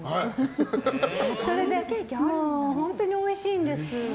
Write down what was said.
本当においしいんです。